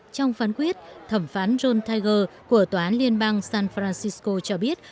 trong phán quyết thẩm phán john tayger của tòa án liên bang san francisco cho biết